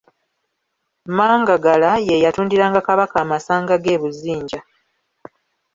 Mangagala ye yatundiranga Kabaka amasanga ge e Buzinja.